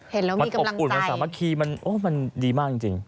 เห็นแล้วมีกำลังใจมันอบอุ่นมันสามารถคีย์มันดีมากจริง